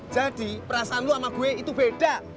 jadi perasaan lo sama gue itu beda